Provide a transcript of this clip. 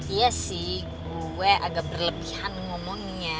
iya sih gue agak berlebihan ngomongnya